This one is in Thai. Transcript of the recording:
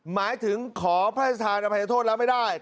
หมายถึงขอพระราชทานอภัยโทษแล้วไม่ได้